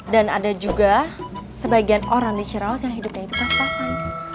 dan ada juga sebagian orang di ciraus yang hidupnya itu kas kasan